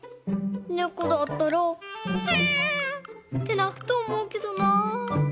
ねこだったら「にゃ」ってなくとおもうけどなぁ。